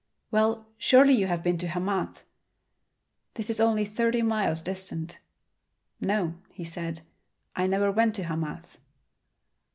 "Well, surely you have been to Hamath?" This is only thirty miles distant. "No," he said, "I never went to Hamath."